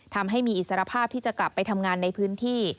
ทำให้มีอิสรภาพที่จะกลับไปทำงานในพื้นที่